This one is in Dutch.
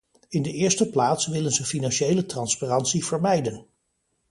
In de eerste plaats willen ze financiële transparantie vermijden.